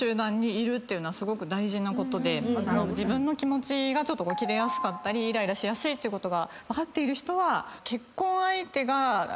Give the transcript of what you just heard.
自分の気持ちがキレやすかったりイライラしやすいってことが分かっている人は。